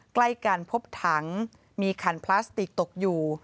ใกล้กันพบถังมีขันพลาสติกตกอยู่